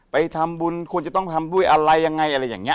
ไปทำบุญควรจะต้องทำด้วยอะไรยังไงอะไรอย่างนี้